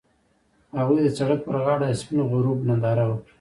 هغوی د سړک پر غاړه د سپین غروب ننداره وکړه.